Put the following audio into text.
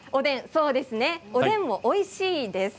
そうですねおでんもおいしいです。